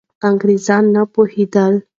انګریزان نه پوهېدل.